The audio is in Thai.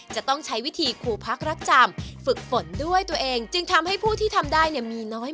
จะต้องใช้วิธีคู่พักรักจำฝึกฝนด้วยตัวเองจึงทำให้ผู้ที่ทำได้เนี่ยมีน้อย